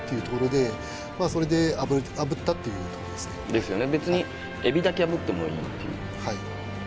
ですよね